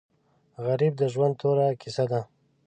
غریب د ژوند توره کیسه ده